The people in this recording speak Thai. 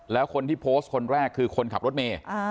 แล้วคนที่โพสต์คนแรกคือคนขับรถเมย์